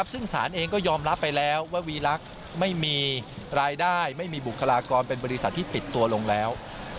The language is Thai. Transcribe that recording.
ซึ่งสารเองก็ยอมรับไปแล้วว่าวีลักษณ์ไม่มีรายได้ไม่มีบุคลากรเป็นบริษัทที่ปิดตัวลงแล้ว